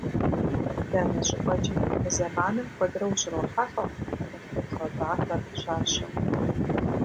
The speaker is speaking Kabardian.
Дэнэ щӏыпӏэкӏи мы зэманым куэдрэ ущрохьэлӏэ нартыху гъэвахэр щащэу.